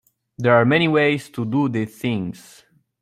There are many ways to do these things.